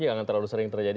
jangan terlalu sering terjadi